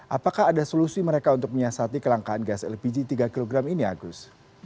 apakah ada solusi mereka untuk menyiasati kelangkaan gas lpg tiga kg ini agus